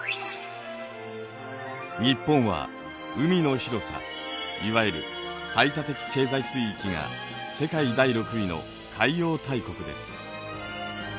日本は海の広さいわゆる排他的経済水域が世界第６位の海洋大国です。